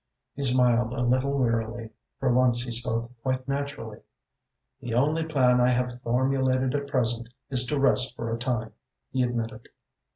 He smiled a little wearily. For once he spoke quite naturally. "The only plan I have formulated at present is to rest for a time," he admitted.